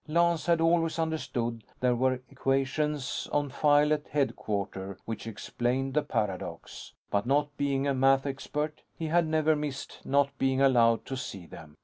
Lance had always understood there were equations on file at HQ, which explained the paradox. But not being a math expert, he had never missed not being allowed to see them.